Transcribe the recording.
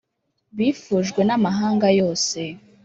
Bwifujwe n'amahanga yose